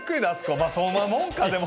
まぁそんなもんかでも。